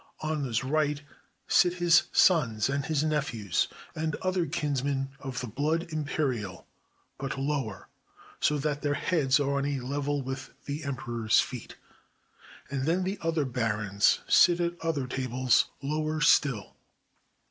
On this right sit his sons and his nephews, and other kinsmen of the blood imperial, but lower, so that their heads are on a level with the emperor's feet. And then the other barons sit at other tables lower still.